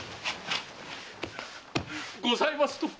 ございますとも！